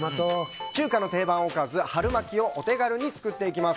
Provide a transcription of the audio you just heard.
中華の定番おかず春巻きをお手軽に作っていきます。